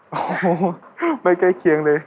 โอ้โหไม่ใกล้เคียงเลย